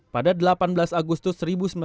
pada delapan belas agustus